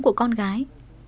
của con gái